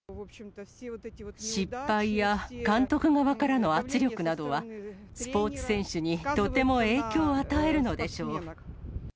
失敗や監督側からの圧力などは、スポーツ選手にとても影響を与えるのでしょう。